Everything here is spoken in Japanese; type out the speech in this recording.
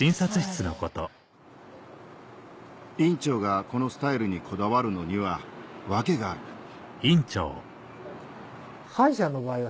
院長がこのスタイルにこだわるのには訳があるだから。